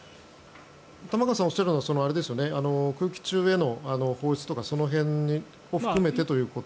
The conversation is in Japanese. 玉川さんがおっしゃるのは空気中への放出とかその辺を含めてということ。